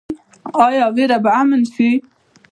آیا ویره به امن شي؟